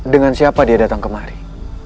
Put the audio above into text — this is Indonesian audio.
dengan siapa dia datang kemari